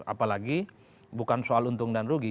apalagi bukan soal untung dan rugi